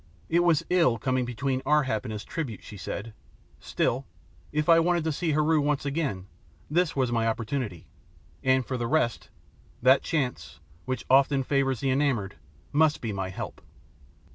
It was ill coming between Ar hap and his tribute, she said; still, if I wanted to see Heru once again, this was my opportunity, and, for the rest, that chance, which often favours the enamoured, must be my help.